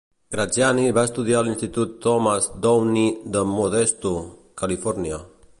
Graziani va estudiar a l'Institut Thomas Downey de Modesto, Califòrnia.